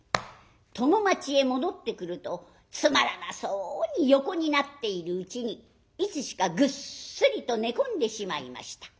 供待ちへ戻ってくるとつまらなそうに横になっているうちにいつしかぐっすりと寝込んでしまいました。